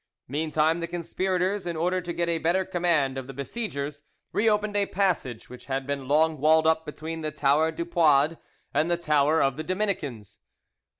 Meantime the conspirators, in order to get a better command of the besiegers, reopened a passage which had been long walled up between the tower Du Poids and the tower of the Dominicans.